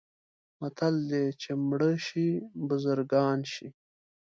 متل دی: چې مړه شي بزرګان شي.